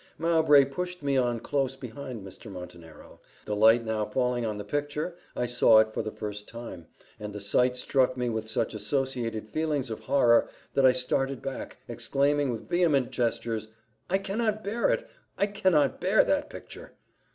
Mowbray pushed me on close behind Mr. Montenero the light now falling on the picture, I saw it for the first time, and the sight struck me with such associated feelings of horror, that I started back, exclaiming, with vehement gestures, "I cannot bear it! I cannot bear that picture!"